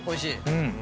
うん。